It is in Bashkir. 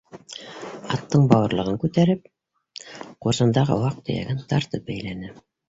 Аттың бауырлығын күтәреп, ҡуржындағы ваҡ-төйәген тартып бәйләне.